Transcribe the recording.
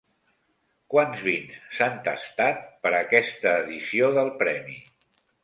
Quants vins s'han tastat per aquesta edició del premi?